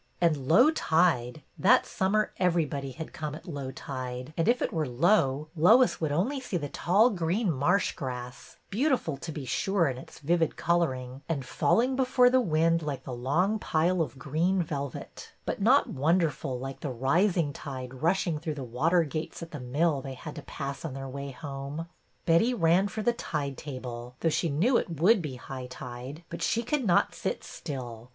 And low tide! That summer everybody had come at low tide, and if it were low Lois would LOIS BYRD'S COMING 57 only see the tall green marsh grass, beautiful, to be sure, in its vivid coloring, and falling before the wind like the long pile of green velvet ; but not wonderful, like the rising tide rushing through the water gates at the mill they had to pass on their way home. Betty ran for the tide table, though she knew it would be high tide; but she could not sit still.